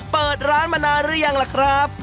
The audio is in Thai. เปิดร้านมานานหรือยังล่ะครับ